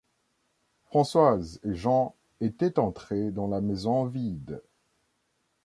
Françoise et Jean étaient entrés dans la maison vide.